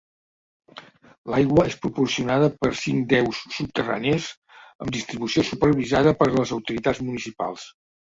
L'aigua és proporcionada per cinc deus subterrànies, amb distribució supervisada per les autoritats municipals.